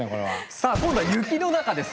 さあ今度は雪の中です。